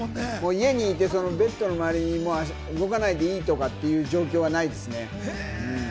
家にいて、ベッドの周りに動かないでいいとかっていう状況はないですね。